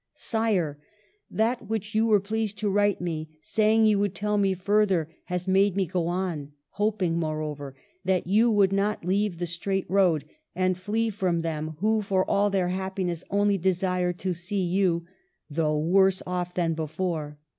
Sire, — That which you were pleased to write me, saying you would tell me further, has made me go on, hoping, moreover, that you would not leave the straight road, and flee from them who, for all their happiness, only desire to see you, though worse off than before.